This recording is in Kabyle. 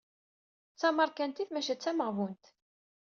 D tameṛkantit maca d tameɣbunt.